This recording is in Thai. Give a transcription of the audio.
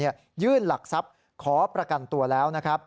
ยื่นหลักทรัพย์ขอประกันตัวแล้ว